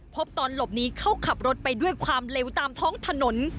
ตอนหลบหนีเข้าขับรถไปด้วยความเร็วตามท้องถนน